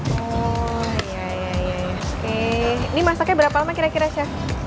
oke ini masaknya berapa lama kira kira chef